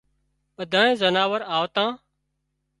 ٻڌانئي زناور آوتان